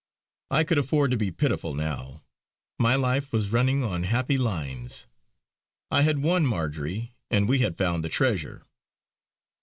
I could afford to be pitiful now; my life was running on happy lines. I had won Marjory, and we had found the treasure!